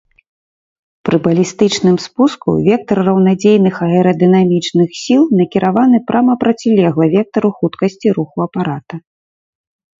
Пры балістычным спуску вектар раўнадзейных аэрадынамічных сіл накіраваны прама процілегла вектару хуткасці руху апарата.